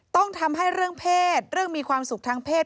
ต้องทำให้เรื่องเพศเรื่องมีความสุขทางเพศ